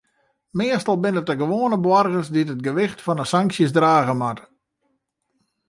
Meastal binne it de gewoane boargers dy't it gewicht fan de sanksjes drage moatte.